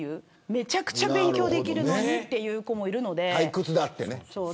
めちゃくちゃ勉強できるのにという子もいるので。